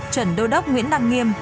chuẩn đô đốc nguyễn đăng nghiêm